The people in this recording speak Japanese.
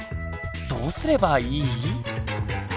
どうすればいい？